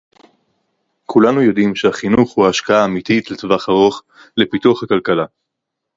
כולנו יודעים שהחינוך הוא ההשקעה האמיתית לטווח ארוך לפיתוח הכלכלה